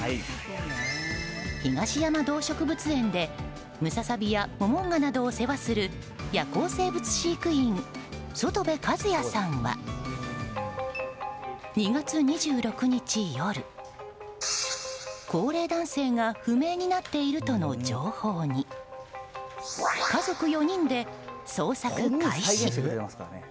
東山動植物園でムササビやモモンガなどを世話する夜行生物飼育員、外部一也さんは２月２６日夜、高齢男性が不明になっているとの情報に家族４人で捜索開始。